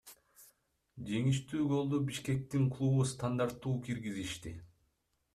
Жеңиштүү голду Бишкектин клубу стандарттуу киргизишти.